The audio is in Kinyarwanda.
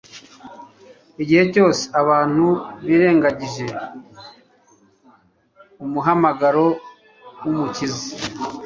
Igihe cyose abantu birengagije umuhamagaro w'Umukiza